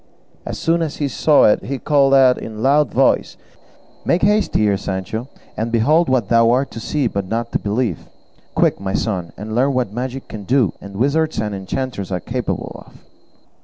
As soon as he saw it he called out in a loud voice, "Make haste here, Sancho, and behold what thou art to see but not to believe; quick, my son, and learn what magic can do, and wizards and enchanters are capable of."